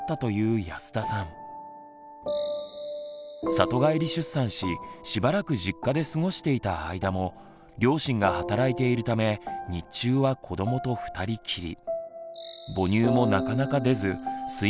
里帰り出産ししばらく実家で過ごしていた間も両親が働いているため日中は子どもと二人きり。